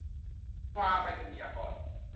ตราไปรษณียากร